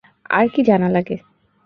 আর কী জানা লাগে?